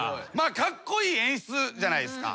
カッコイイ演出じゃないですか。